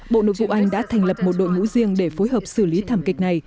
bộ nội vụ anh đã thành lập một đội ngũ riêng để phối hợp xử lý thảm kịch này